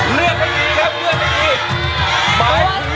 เลื่อดไปนึกเลยนะครับเลื่อดไปนึก